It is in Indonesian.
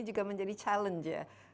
juga menjadi challenge ya